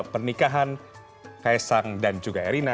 pernikahan kak esang dan juga erina